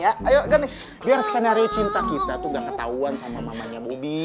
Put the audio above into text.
ayo kan biar skenario cinta kita tuh gak ketahuan sama mamanya bobi